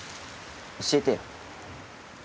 教えてよ。